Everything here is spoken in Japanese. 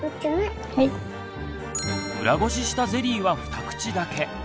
裏ごししたゼリーはふた口だけ。